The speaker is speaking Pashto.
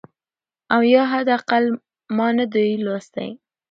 او یا حد اقل ما نه دی لوستی .